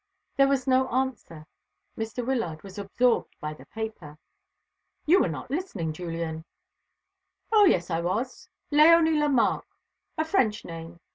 There was no answer. Mr. Wyllard was absorbed by the paper. "You were not listening, Julian." "O, yes, I was. Léonie Lemarque a French name.